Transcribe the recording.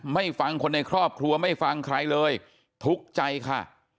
ไม่ฟังคนในครอบครัวไม่ฟังใครเลยทุกข์ใจค่ะ